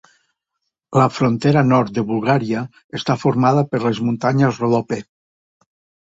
La frontera nord de Bulgària està formada per les muntanyes Rhodope.